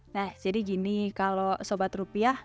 nah jadi gini kalau sobat rupiah